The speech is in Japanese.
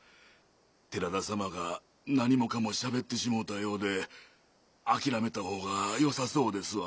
寺田様が何もかもしゃべってしもうたようで諦めた方がよさそうですわ。